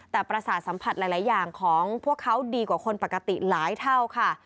แต่ประสาทสัมผัสหลายอย่างของพวกเขาดีกว่าคนปกติหลายเท่าค่ะ